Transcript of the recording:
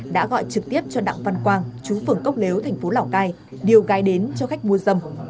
đã gọi trực tiếp cho đảng văn quang chú phường cốc léo thành phố lào cai điều gai đến cho khách mua dâm